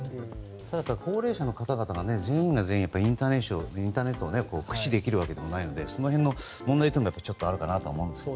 ただ、高齢者の方々が全員が全員インターネットを駆使できるわけでもないのでその辺の問題点だけあるかなと思うんですが。